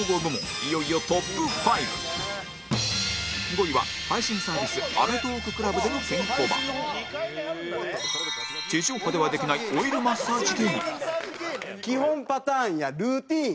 いよいよ、トップ５５位は、配信サービスアメトーークＣＬＵＢでのケンコバ地上波ではできないオイルマッサージ芸人基本パターンやルーティン。